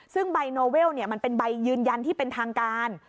ซึ่งใบโนเวลมันเป็นใบยืนยันที่เป็นทางการ